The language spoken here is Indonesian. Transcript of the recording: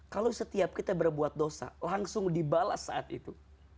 kalau setiap kita berbuat dosa langsung dibalas saat itu